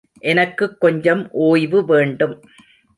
எனக்குக் கொஞ்சம் ஓய்வு வேண்டும்.